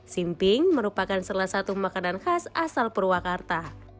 simping merupakan salah satu makanan khas asal purwakarta